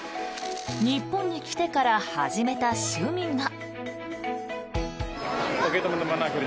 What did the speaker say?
日本に来てから始めた趣味が。